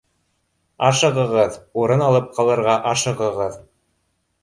Ашығығыҙ, урын алып ҡалырға ашығығыҙ